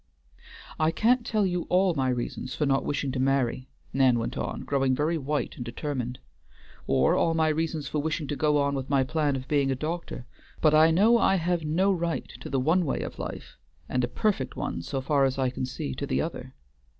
"I can't tell you all my reasons for not wishing to marry," Nan went on, growing very white and determined, "or all my reasons for wishing to go on with my plan of being a doctor; but I know I have no right to the one way of life, and a perfect one, so far as I can see, to the other.